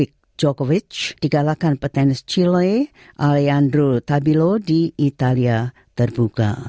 djokovic dikalahkan petainis chile alejandro tabilo di italia terbuka